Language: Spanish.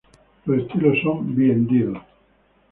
Los estilos son bi-hendidos.